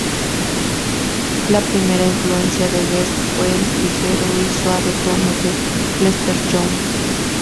La primera influencia de Getz fue el ligero y suave tono de Lester Young.